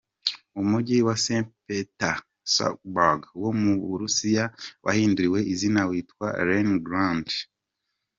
Umujyi wa Saint Petersburg wo mu Burusiya, wahinduriwe izina witwa Leningrad.